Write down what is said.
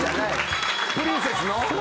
プリンセスの？